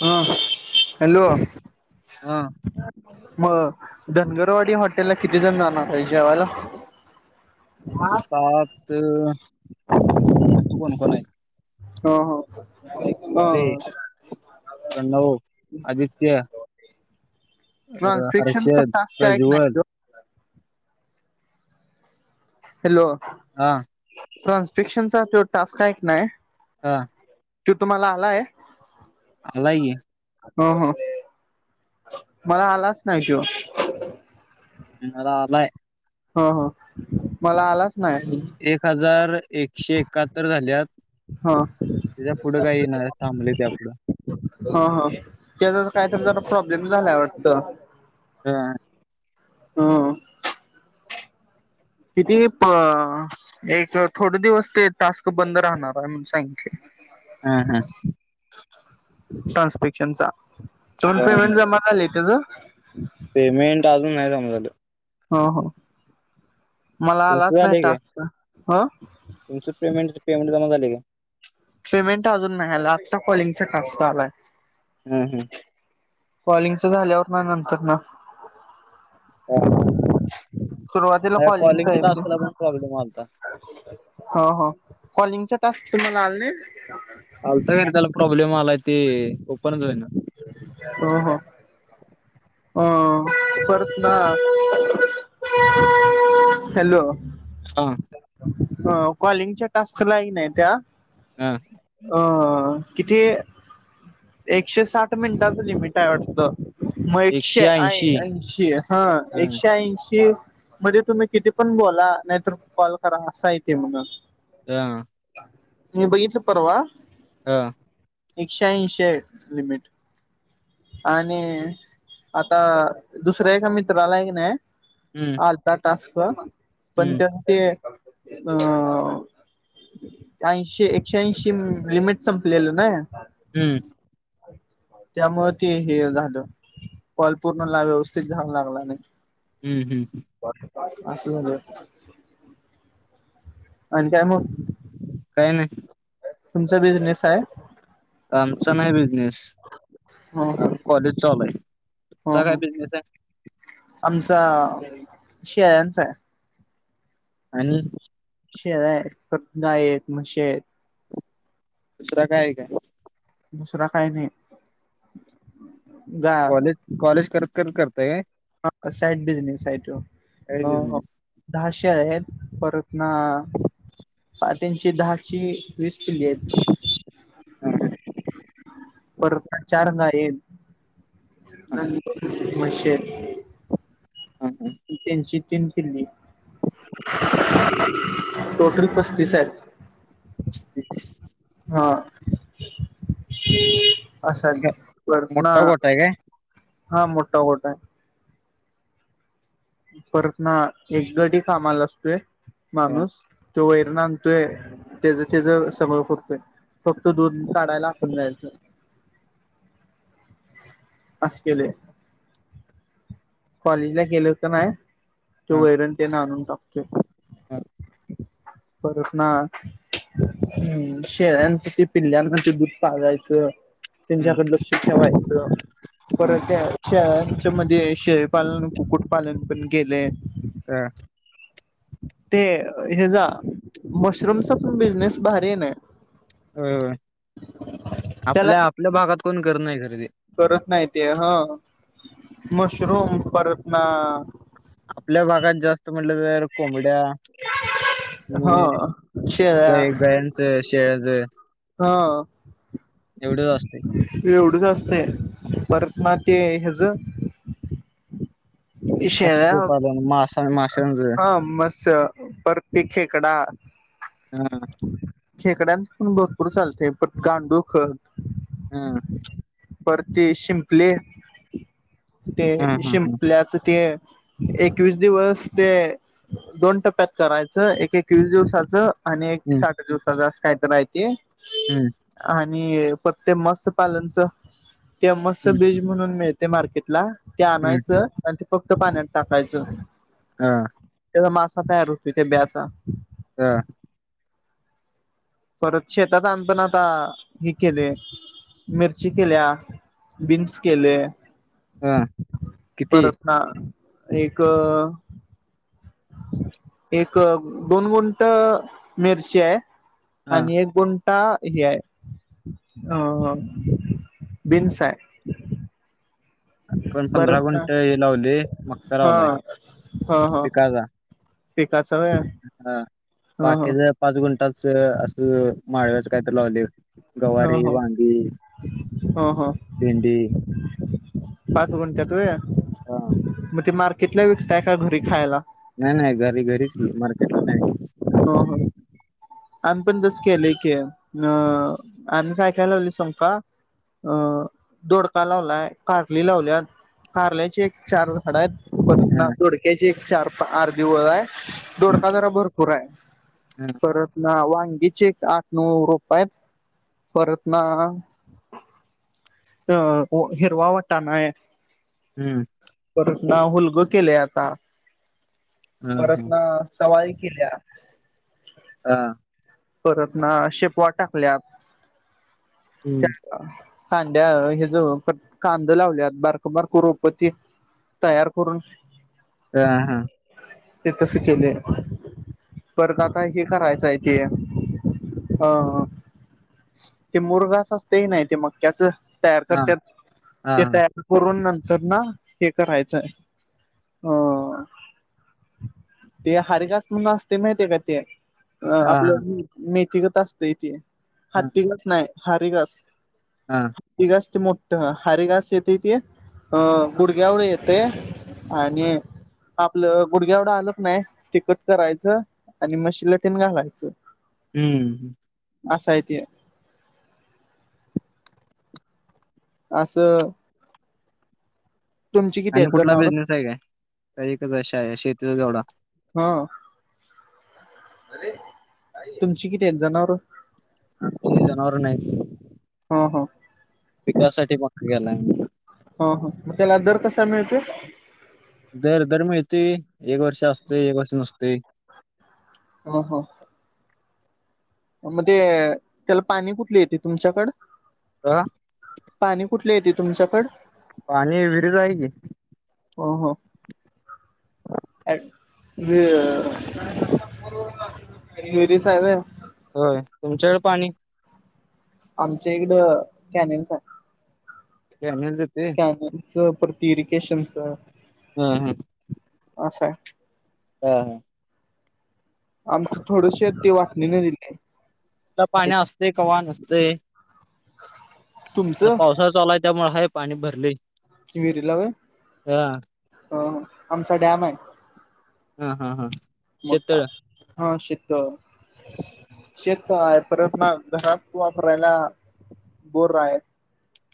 हा. हॅलो. हां. मग धनगरवाडी हॉटेल ला किती कितीजणं जाणार हाय जेवायला? माप सातजण अजून कोण कोण हाईत. हो हो. विनायक [unintelligible] प्रणव, आदित्य. अ ट्रान्सस्क्रीप्शनचा हर्षद टास्क हाय का नाही प्रज्वल त्यो हॅलो. आं. ट्रान्सस्क्रीप्शनचा तो टास्क आहे क नाय हा. तो तुम्हाला आलाय? आलाय की. हो हो, मला आलाच नाही त्यो. मला आलाय. हो हो, मला आलाच नाही त्यो. एक हजार एकशे एकाहत्तर झाल्यात. हां. त्याच्या पुढं काय येईना झाल्यात, थांबलय त्या पुढं हां हा त्याचा काय तर जरा प्रॉब्लेम झालाय वाटतं. हां. हं. कितीही प एक थोडं दिवस ते टास्क बंद राहणार हाय म्हणून सांगितलंय. अं हं. ट्रान्सस्क्रीप्शनचा. दोन पेमेंट जमा झालंय त्याजं. पेमेंट अजून नाही जमा झालं. हो हो मला तुमचं आलाच नाही झाले काय टास्क, अं. तुमचं पेमेंटचं पेमेंट जमा झालंय का? पेमेंट अजून नाही आला, आता कॉलिंगचा टास्क आलाय. हं हं. कॉलिंगचं झाल्यावरना नंतरना. अ सुरुवातीला माझ्या कॉलिंगच आहे कॉलिंगच्या ते टास्कला पण प्रॉब्लेम आलता. हो हो, कॉलिंगचा टास्क तुम्हाला आला नाही? [inaudible] आलत खरं त्याला प्रॉब्लेम आलाय ते ओपनच होईना. हो हो. अं परतना हॅलो. [unintelligible] अ कॉलिंगच्या टास्कला हाय नाय त्या हां. अ किती एकशे साठ मिनिटाचं लिमिट आहे वाटतं. म एकशे ऐ ऐंशी हां हं एकशे ऐंशी मध्ये तुम्ही किती पण बोला, नाहीतर कॉल करा असं आहे ते म्हणे. हा मी बघितलं परवा हा एकशे-ऐंशी आहे लिमिट आणि आता दुसऱ्या एका मित्राला आहे कनी हम्म होता टास्क पण त्याने ते अ ऐशी एकशे - ऐंशी लिमिट संपलेलं नाई हम्म त्यामुळं ते हे झालं काॅल पूर्णला व्यवस्थित झाला लागला नाही हम्म हम्म हम्म अस झाल होय आणि काय मग काय नाही तुमचा बिझनेस हाय? आमचा नाही बिझनेस हो हो अजून कॉलेज चालू हाय हो तूमचा काय हो बिझनेस हाय? आमचा शेळ्यांचा हाय आणि शेळ्या हाईत परत गाई आहेत म्हशी हाईत दुसर काय हाय काय? दुसरा काही नाही गा कॉलेज कॉलेज करत करत करताय काय? साईड बिजनेस हाय त्यो काय अ हो बिझनेस दहा शेळ्या आहेत परत न अ तेनची दहाची वीस पिल्ली हाईत हा परतन चार गाई हाईत म्हशी हाईत ह हा तेनची तीन पिल्ली टोटल पस्तीस आहेत पस्तिस हा अस आहेत परतन मोठा गोठा आहे काय हा मोठा गोठ हाय परत न एक गडी कामाला असतोय हा माणूस तो वैरन आणतोय तेज तेज सगळ करतोय फक्त दूध काढायला आपण जायचं अस केलय कॉलेज ला गेल की नाय हा तो वैरण तेन आणून टाकतोय हा परतन हम्म शेळ्यांसाठी पिल्ल्यांना ते दूध पाजायचं हम्म, त्यांच्याकड लक्ष ठेवायचं हा परत शेळ्यांच्या मध्येे शेळ पालन कुक्कुट पालन पण केलय हा ते हेजा मशरूमचा पण बिझनेस भारीये ना होय होय त्याला आपल्या आपल्या भागात कोण करत नाही खर ते करत नाही ते. ह मशरूम परत ना. आपल्या भागात जास्त म्हटल तर कोंबड्या हा. शेळ्या काय हा [unintelligible] एवढ असत. एवढच असतेय. परत मग ते हे हयाच. शेळ्या मत्स्यपालन मासा मासायच. हा. मस्स प्रत्ये खेकडा. हा खेकड्याच पण भरपूर चालते. परत गांडुळ खत हा. परत ते शिंपले. ते हा हा हा शिंपल्याच ते एकवीस दिवस ते दोन टप्प्यात करायच. एक एक वीस दिवसाच आणि एक हम्म साठ. दिवसा जास्त काय तर राहती. हम्म आणि ते मत्त्य पालनच. ते मस्स्य हम्म बीज म्हणून मिळत ते मार्केट ला ते हम्म आणायच आणि ते फक्त पाण्यात टाकायचं. ह. त्याचा मासा तयार होतो त्या ब्याचा ह परत शेतात आणतो ना आता हे केले. मिरची केल्या. बीन्स केले. हा. किती? हा. एक एक -दोन गुंट मिरची आहे हा आणि एक गुंटा हे आहे. अ बिन्स आहे. आपण पंधरा परत गुंट हे लावले, मका हा लावलाय ह ह पिकाला. पिकाच वहाय. हा बाकीच पाच गुंटाच असं माळव्याच काय तर लावले. हा गवारी हो वांगी हा हा. भेंडी पाच गुंट्यात होय हा मग ते मार्केटला विकतय, का घरी खायला? नाही नाही घरी घरीच मार्केट ला नाही. हो हो आम्ही पण तस केले की, अ आम्ही काय- काय लावले सांगू का? अ दोडका लावलाय. कारली लावल्यात कारल्याची एक चार झाड आहेत. प हा दोडक्याची एक चार आर् दिवस आहे हा दोडका जरा भरपू पुरा आहे हा परत ना वांगीचे आठ -नऊ रोप हेत. परत ना अ हिरवा वाटानाय. हम्म परत ना हुलग केले आता. हा परत हा ना सवारी केल्यात. हा परत ना शेपवाट टाकल्यात. हम्म कांद्या हे ज कांद लावल्या बारकबारक रोप ते तयार करून ह हा ते तस केलय परत आता हे करायचं आहे ते अ ते मुरगाच असतय की नाही ते मक्याच तयार हा करत्यात हा ते हा तयार कोरोन नंतर न हे करायचंय अ ते हर कास म्हणून असते माहितीय का ते हा हा आपलं मेथीगत असतय ते हाती घस नाही हारी घस हा ती घासची मोठ हारी घास येतय ते अ गुडग्यावर येतय आणि आपलं गुडग्या एवढं आलत नाही ते कट करायचं आणि मशीला तेन घालायचं हम्म असाय ते अस किती आणि आहेत कुठला जनावर बिझनेस आहे काय तर एकच आहे शेतीचा तेवढा हा तुमची किती आहेत जनावर आमची जनावर नाहीत हा हा पिकासाठी मक गेलाय मग ह ह मग त्याला दर कसा मिळतोय दर दर मिळतोय एक वर्ष असतोय एक वर्ष नसतोय हो हो म ते त्याला पाणी कुठल येतय तुमच्याकड आ पाणी कुठल येतय तुमच्याकड पाणी विहिरिच आहे की हो हो विहिर विहिरीचं हाय व्हय होय तुमच्याकड पाणी आमच्या इकडं [inaudible] आहे [inaudible] परत प्यूरिकेशनच हम हम असय हा हा आमच थोड शेत ते वाटणीन दिलय कवा पाणी असतय कवा नसतय आता तुमचं पावसाच चालू हाय त्यामुळे हाय पाणी भरलय विहिरीला होय हो आमचा डॅम हाय हा हा हा मोठा शेततळ हा शेत शेत आहे परत न घरात वापरायला बोर हाय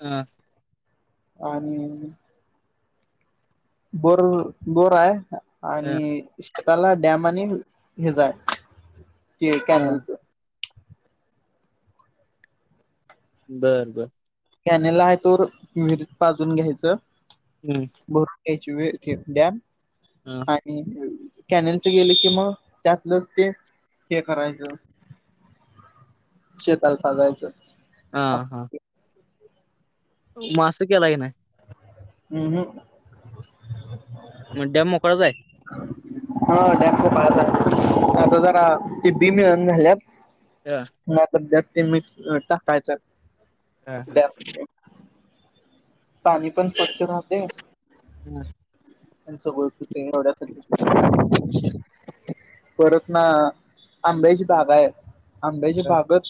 हा आणि बोर बोर हाय ह आणि शेताला डॅम आणि हेज आहे, ते ह कॅनेलच. बर बर कॅनल आहे तोवर विहरीत पाजून घ्यायच. हम्म भरून घ्यायची विहीर ती डॅम. [unintelligible] आणि कॅनलच गेल कि मग त्यातलंच ते हे करायच. शेताला पाजायच. ह हा मासे केलय की नाही? उम्म हम्म मग डॅम मोकळाच आहे. ह डॅम मोकळाच आहे. आता जरा ते बीन झाल्यात. [unintelligible] नाही तर ते मिक्स टाकायच. [unintelligible] पाणी पण स्वच्छ राहते. हम्म त्यांच बोलतो तु एवढ [inaudible] परत ना आंब्याची बाग आहे. आंब्याची बागच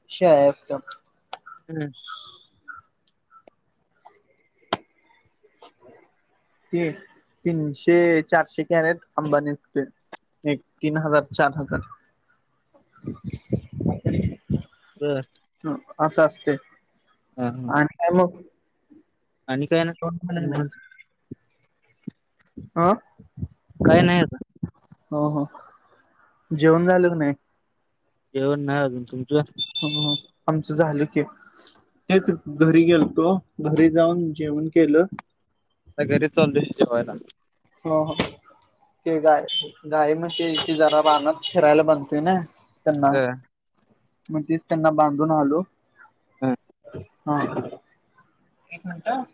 [unintelligible] हम्म ते तीनशे, चारशे कॅरेट अंबा नीघतोय. एक तीन हजार, चार हजार [unintelligible] ह अस असतय. हा हा आणि काय मग. आणि काय जेवण नाही झालं निवांत. अ काही नाही आता. हो हो, जेवण झाल का नाही? येवण नाही अजून. तुमच ह आमच झाल की. तेच घरी गेलतो. घरी जाऊन जेवण केल. आता घरी चललोय जेवायला. हो हो ते गाय गाय म्हशीचे जरा रानात फिरायला म्हणतोय ना. त्यांना मग तेच त्यांना बांधून आलो. हम्म हा एक मिनट